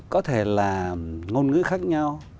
có thể là ngôn ngữ khác nhau